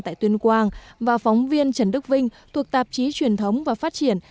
tại tuyên quang và phóng viên trần đức vinh thuộc tạp chí truyền thống và phát triển